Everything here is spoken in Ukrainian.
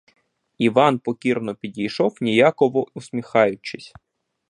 Іван покірно підійшов, ніяково усміхаючись.